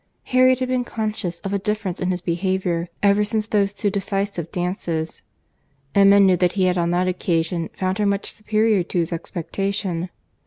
Harriet had been conscious of a difference in his behaviour ever since those two decisive dances.—Emma knew that he had, on that occasion, found her much superior to his expectation.